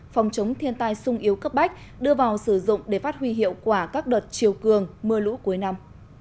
phòng chống thiên tai sung yếu cấp bách đưa vào sử dụng để phát huy hiệu quả các đợt chiều cường mưa lũ cuối năm